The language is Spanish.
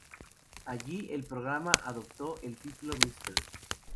Allí, el programa adoptó el título Mr.